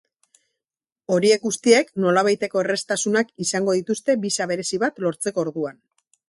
Horiek guztiek nolabaiteko erraztasunak izango dituzte bisa berezi bat lortzeko orduan.